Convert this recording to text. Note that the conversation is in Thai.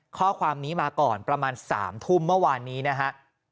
ข้อความนี้มาก่อนประมาณ๓ทุ่มเมื่อวานนี้นะฮะ